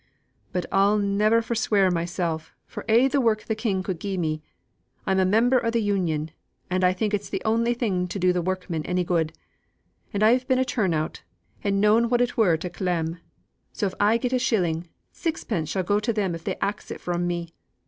But I'll ne'er forswear mysel' for a' the work the king could gi'e me. I'm a member o' the Union; and I think it's the only thing to do the workmen any good. And I've been a turn out, and known what it was to clem; so if I get a shilling, sixpence shall go to them if they axe it from me.